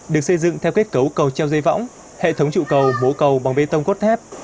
được xây dựng theo kết cấu cầu treo dây võng hệ thống trụ cầu mố cầu bằng bê tông cốt thép